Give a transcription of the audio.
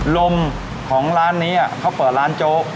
ลมของร้านนี้เขาเปิดร้านโจ๊ก